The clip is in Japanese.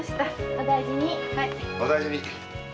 お大事に。